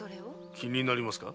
気になりますか？